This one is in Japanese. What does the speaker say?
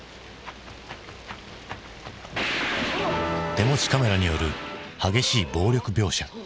手持ちカメラによる激しい暴力描写。